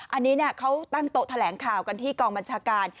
อันนี้เขาตั้งโต๊ะแถลงข่าวกันที่กองบัญชาการ